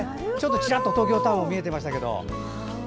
チラッと東京タワーも見えてましたけど。